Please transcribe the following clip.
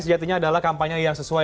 sejatinya adalah kampanye yang sesuai